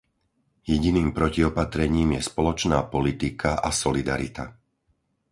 Jediným protiopatrením je spoločná politika a solidarita.